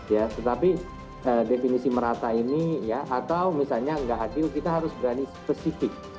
ya tetapi definisi merata ini ya atau misalnya nggak adil kita harus berani spesifik